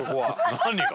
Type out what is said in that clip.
何が？